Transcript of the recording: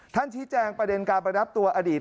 ท่านชี้แจงประเด็นการประนับตัวอดีต